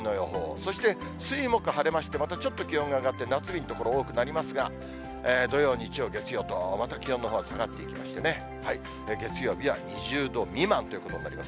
そして水、木、晴れまして、またちょっと気温が上がって夏日の所、多くなりますが、土曜、日曜、月曜とまた気温のほう下がっていきましてね、月曜日は２０度未満ということになります。